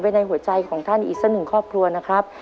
ในหัวใจของท่านอีกสักหนึ่งครอบครัวนะครับ